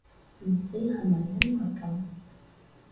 唔知係咪因為噉